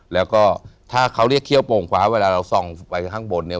แล้วก็ถ้าเขาเรียกเขี้ยโป่งขวาเวลาเราส่องไปข้างบนเนี่ย